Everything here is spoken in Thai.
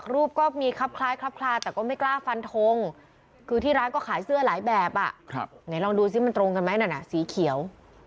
เราขายเสื้อหลายแบบอ่ะไหนลองดูซิมันตรงกันไหมนั่นอ่ะสีเขียว